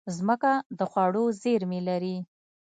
مځکه د خوړو زېرمې لري.